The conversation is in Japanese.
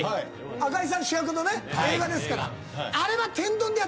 赤井さん主役の映画ですから。